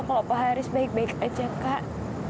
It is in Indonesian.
kalau pak haris baik baik aja kak